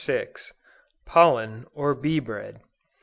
POLLEN, OR BEE BREAD.